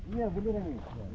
iya bener ini